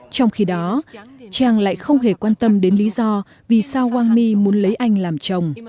trong khi đó trang lại không hề quan tâm đến lý do vì sao wang mi muốn lấy anh làm chồng